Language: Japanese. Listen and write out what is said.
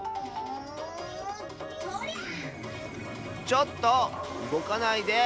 ちょっとうごかないで！